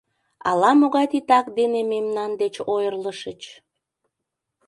Ала-могай титак дене мемнан деч ойырлышыч...